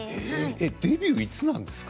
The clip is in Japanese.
デビューはいつなんですか。